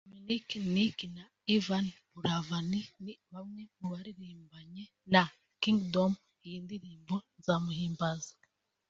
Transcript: Dominic Nic na Yvan Buravani ni bamwe mu baririmbanye na Kingdom iyi ndirimbo (Nzamuhimbaza)